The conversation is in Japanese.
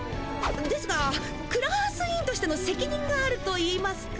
ですがクラス委員としてのせきにんがあるといいますか。